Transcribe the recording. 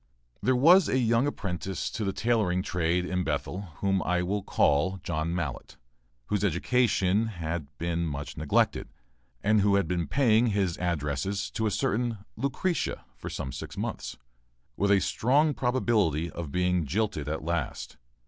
There was a young apprentice to the tailoring trade in Bethel, whom I will call John Mallett, whose education had been much neglected, and who had been paying his addresses to a certain "Lucretia" for some six months, with a strong probability of being jilted at last.